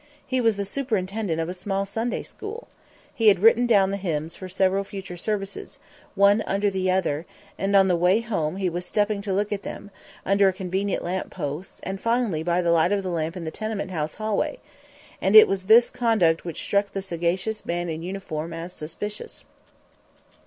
He was the superintendent of a small Sunday school. He had written down the hymns for several future services, one under the other, and on the way home was stopping to look at them, under convenient lamp posts, and finally by the light of the lamp in a tenement house hallway; and it was this conduct which struck the sagacious man in uniform as "suspicious."